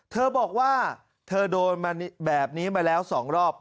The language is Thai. เธอบอกว่าเธอโดนมาแบบนี้มาแล้ว๒รอบ